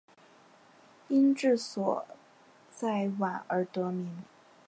因治所在宛而得名。